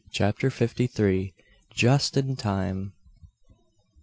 CHAPTER FIFTY THREE. JUST IN TIME.